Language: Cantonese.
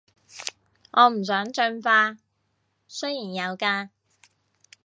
我唔想進化，雖然有假